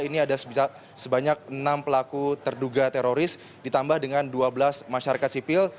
ini ada sebanyak enam pelaku terduga teroris ditambah dengan dua belas masyarakat sipil